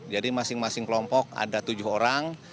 jadi masing masing kelompok ada tujuh orang